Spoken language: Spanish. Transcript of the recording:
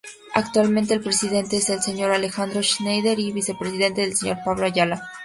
Actualmente el Presidente es el Sr. Alejandro Schneider y Vicepresidente el Sr. Pablo Ayala.